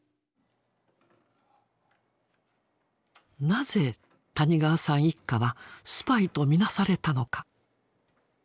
なぜ谷川さん一家はスパイとみなされたのか？